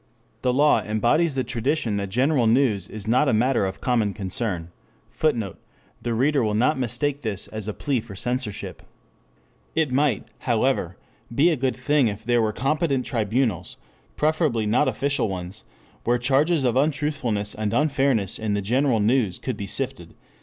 The law embodies the tradition that general news is not a matter of common concern, [Footnote: The reader will not mistake this as a plea for censorship. It might, however, be a good thing if there were competent tribunals, preferably not official ones, where charges of untruthfulness and unfairness in the general news could be sifted.